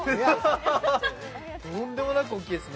とんでもなく大きいですね。